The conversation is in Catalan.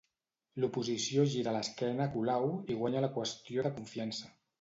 L'oposició gira l'esquena a Colau i guanya la qüestió de confiança.